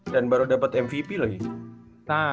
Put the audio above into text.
dan baru dapet mvp lagi